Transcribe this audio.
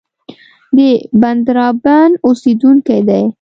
د بندرابن اوسېدونکی دی.